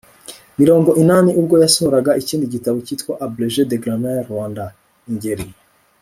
mirongo inani ubwo yasohoraga ikindi gitabo cyitwa abrégé de grammaire rwanda. ingeri